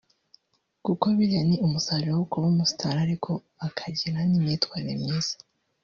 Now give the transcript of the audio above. kuko biriya ni umusaruro wo kuba umu star ariko akagira n’imyitwarire myiza